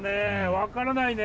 分からないね